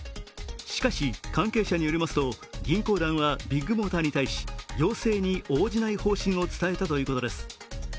しかし関係者によりますと銀行団はビッグモーターに対し要請に応じない方針を伝えたということです。